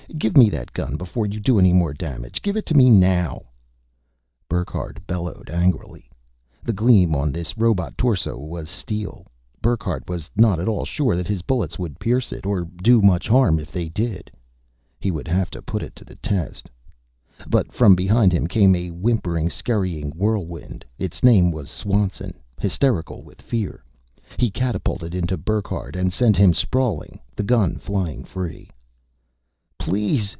Give me that gun before you do any more damage. Give it to me now." Burckhardt bellowed angrily. The gleam on this robot torso was steel; Burckhardt was not at all sure that his bullets would pierce it, or do much harm if they did. He would have put it to the test But from behind him came a whimpering, scurrying whirlwind; its name was Swanson, hysterical with fear. He catapulted into Burckhardt and sent him sprawling, the gun flying free. "Please!"